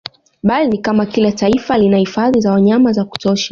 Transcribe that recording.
Bali ni kwa kila taifa lina hifadhi za wanyama za kutosha